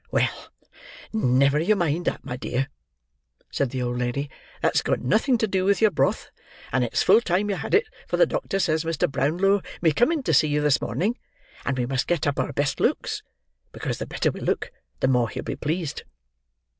"Well, never you mind that, my dear," said the old lady; "that's got nothing to do with your broth; and it's full time you had it; for the doctor says Mr. Brownlow may come in to see you this morning; and we must get up our best looks, because the better we look, the more he'll be pleased."